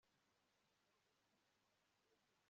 nanga imitima ijajanganya